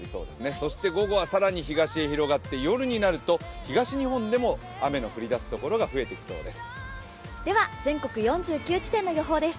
そして午後は更に東へ広がって夜になると東日本でも雨が降り出す所が増えてきそうです。